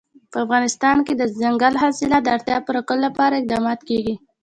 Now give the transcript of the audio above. په افغانستان کې د دځنګل حاصلات د اړتیاوو پوره کولو لپاره اقدامات کېږي.